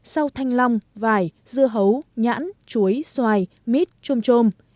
sau thanh long vải dưa hấu nhãn chuối xoài mít trôm trôm